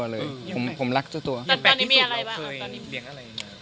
แต่ตอนนี้มีอะไรบ้าง